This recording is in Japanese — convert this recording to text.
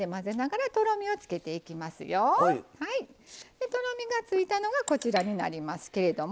でとろみがついたのがこちらになりますけれども。